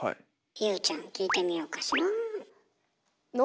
優ちゃん聞いてみようかしら。